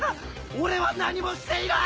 俺は何もしていない！